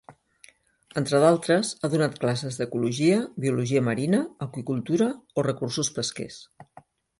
Entre d'altres, ha donat classes d'Ecologia, Biologia Marina, Aqüicultura o Recursos pesquers.